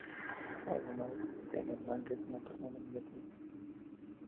Además, en el manga es una persona más divertida.